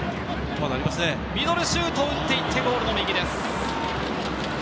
ミドルシュートを打っていって、ゴール右です。